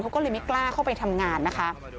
เขาก็เลยไม่กล้าเข้าไปทำงานนะคะ